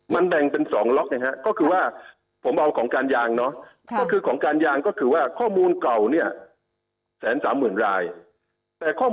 มันแดงเป็น๒ล็อกนะเถอะ